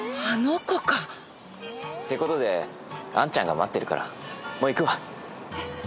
あの子かってことで杏ちゃんが待ってるからもう行くわ。